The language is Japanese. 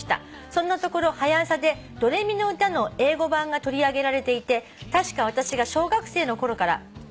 「そんなところ『はや朝』で『ドレミのうた』の英語版が取り上げられていて確か私が小学生のころ